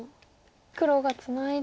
黒がツナいで。